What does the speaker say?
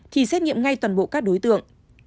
thì xét nghiệm ngay toàn bộ các đối tượng